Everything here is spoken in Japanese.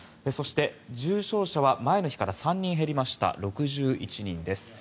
そして、重症者は前の日から３人減りました６１人です。